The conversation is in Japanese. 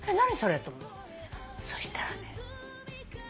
そしたらね